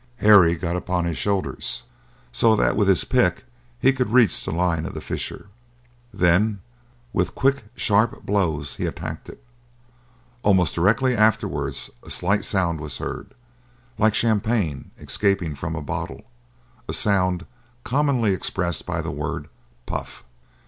Harry got upon his shoulders, so that with his pick he could reach the line of the fissure. Then with quick sharp blows he attacked it. Almost directly afterwards a slight sound was heard, like champagne escaping from a bottle—a sound commonly expressed by the word "puff."